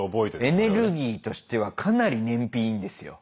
エネルギーとしてはかなり燃費いいんですよ。